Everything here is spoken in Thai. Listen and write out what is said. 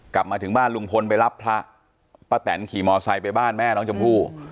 กลับมาถึงบ้านลุงพลไปรับพระป้าแตนขี่มอไซค์ไปบ้านแม่น้องชมพู่